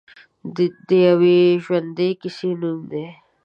د یوې ژوندۍ کیسې نوم دی.